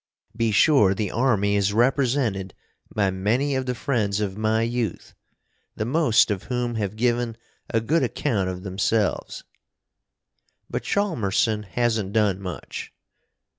Be sure the Army is represented by many of the friends of my youth, the most of whom have given a good account of themselves. But Chalmerson hasn't done much.